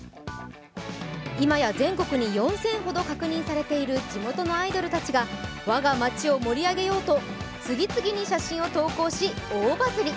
今や全国に４０００ほど確認されている地元のアイドルたちが我が町を盛り上げようと次々に写真を投稿し、大バズり。